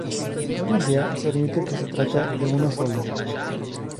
Hoy en día se admite que se trata de uno solo.